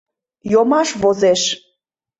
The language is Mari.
Йомаш возеш!..